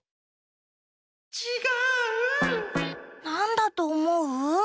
なんだとおもう？